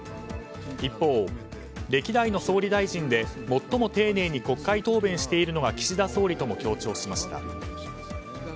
一方、歴代の総理大臣で最も丁寧に国会答弁しているのは岸田総理とも強調しました。